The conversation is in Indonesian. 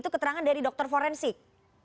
itu keterangan dari dokter forensik